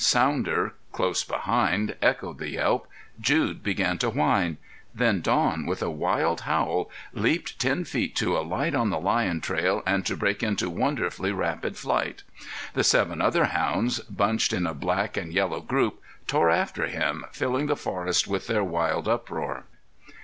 Sounder, close behind, echoed the yelp. Jude began to whine. Then Don, with a wild howl, leaped ten feet to alight on the lion trail and to break into wonderfully rapid flight. The seven other hounds, bunched in a black and yellow group, tore after him filling the forest with their wild uproar.